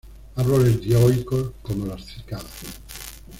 Árboles dioicos, como las cícadas.